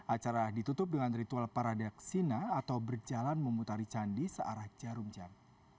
acara ditutup dengan ritual paradaksina atau berjalan memutari candi searah jarum jam